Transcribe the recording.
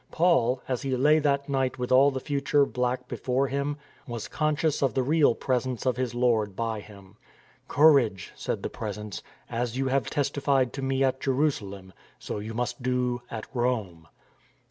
Paul, as he lay that night with all the future black before him, was conscious of the real presence of his Lord by him. " Courage !" said the Presence. " As you have testified to me at Jerusalem, so you must do at Rome."